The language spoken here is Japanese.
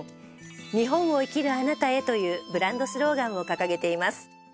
「日本を生きるあなたへ。」というブランドスローガンを掲げています